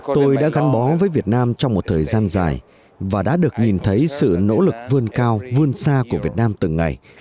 tôi đã gắn bó với việt nam trong một thời gian dài và đã được nhìn thấy sự nỗ lực vươn cao vươn xa của việt nam từng ngày